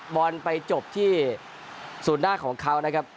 บอลไปจบที่ศูนย์หน้าของเขานะครับ